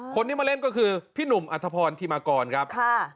คนที่มาเล่นก็คือพี่หนุ่มอัธพรธิมากรครับ